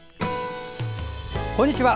こんにちは。